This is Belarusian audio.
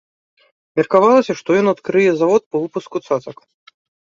Меркавалася, што ён адкрые завод па выпуску цацак.